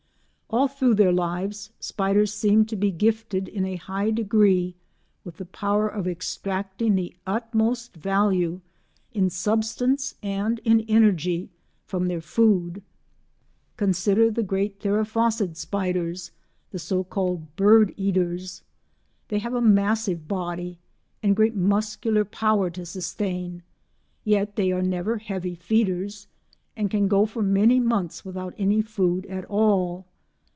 All through their lives spiders seem to be gifted in a high degree with the power of extracting the utmost value, in substance and in energy, from their food. Consider the great Theraphosid spiders—the so called bird eaters. They have a massive body, and great muscular power to sustain; yet they are never heavy feeders and can go for many months without any food at all.